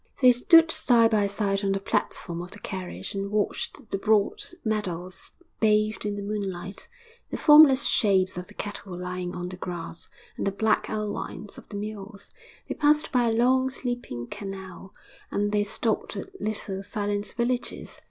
They stood side by side on the platform of the carriage and watched the broad meadows bathed in moonlight, the formless shapes of the cattle lying on the grass, and the black outlines of the mills; they passed by a long, sleeping canal, and they stopped at little, silent villages.